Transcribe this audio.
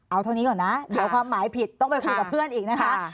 เอาเท่านี้ก่อนนะเดี๋ยวความหมายผิดต้องไปคุยกับเพื่อนอีกนะคะ